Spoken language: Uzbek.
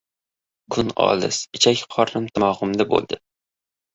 Kun olis ichak-qornim tomog‘imda bo‘ldi.